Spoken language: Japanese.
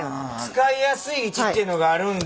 使いやすい位置っていうのがあるんだ。